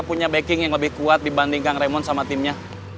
punya backing yang lebih kuat dibanding kang raymond sama timnya